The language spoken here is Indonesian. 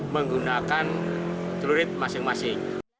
menggunakan telurit masing masing